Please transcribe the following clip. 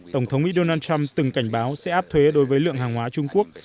tổng thống mỹ donald trump từng cảnh báo sẽ áp thuế đối với lượng hàng hóa trung quốc